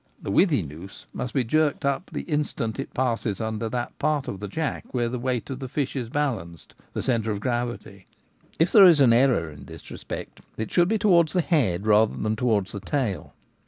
The withy noose must be jerked up the instant it passes under that part of the jack where the weight of the fish is balanced — the centre of gravity ; if there is an error in this respect it should be towards the head, rather than towards the tail.